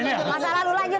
masa lalu lanjut lanjut